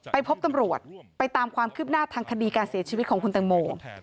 พบตำรวจไปตามความคืบหน้าทางคดีการเสียชีวิตของคุณตังโม